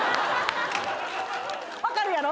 わかるやろ。